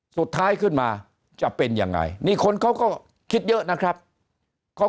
สุดท้ายขึ้นมาจะเป็นยังไงนี่คนเขาก็คิดเยอะนะครับเขา